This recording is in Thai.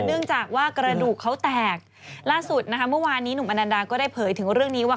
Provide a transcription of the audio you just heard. เนื่องจากว่ากระดูกเขาแตกล่าสุดนะคะเมื่อวานนี้หนุ่มอนันดาก็ได้เผยถึงเรื่องนี้ว่า